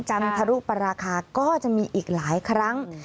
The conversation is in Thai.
จันทรุปราคาก็จะมีอีกหลายครั้ง